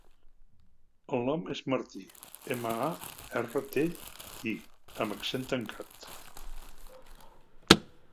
El nom és Martí: ema, a, erra, te, i amb accent tancat.